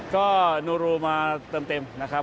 ก็นูรูมาเติมเต็มนะครับ